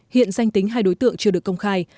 hiện danh tính hai đối tượng chưa được công khai